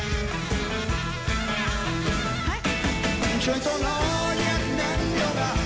はい！